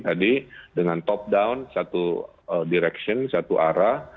tadi dengan top down satu direction satu arah